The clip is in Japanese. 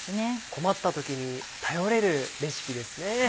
困った時に頼れるレシピですね。